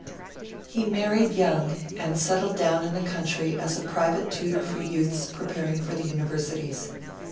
He married young and settled down in the country as a private tutor for youths preparing for the Universities.